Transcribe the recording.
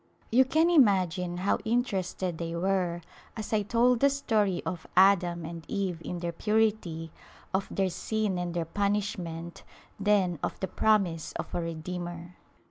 You can imagine how in terested they were as I told the story of Adam and Eve in their purity, of their sin and their punishment, then of the promise of a Redeemer.